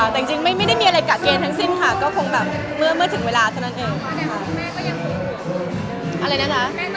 แต่จริงไม่ได้มีอะไรกะเกณฑ์ทั้งสิ้นค่ะก็คงแบบเมื่อถึงเวลาเท่านั้นเอง